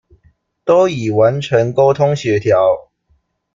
都已完成溝通協調